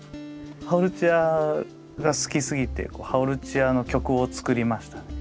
ハオルチアが好きすぎてハオルチアの曲を作りました。